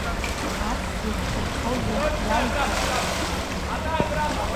Ас сеиқәшәыршәозу иалыздрааи.